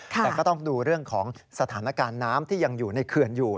แต่ก็ต้องดูเรื่องของสถานการณ์น้ำที่ยังอยู่ในเขื่อนอยู่